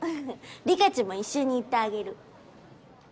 リカチも一緒に行ってあげる。